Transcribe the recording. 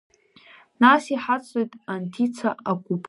Нас иҳацлоит Анҭица агәыԥгьы.